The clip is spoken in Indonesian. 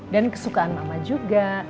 dan kesukaan mama juga